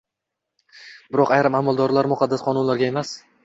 Biroq ayrim amaldorlar muqaddas qonunlarga emas